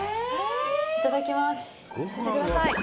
いただきます。